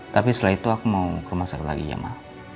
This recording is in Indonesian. tapi setelah itu aku mau ke rumah sakit lagi ya ma